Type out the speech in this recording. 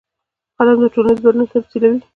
قلم د ټولنیز بدلون تمثیلوي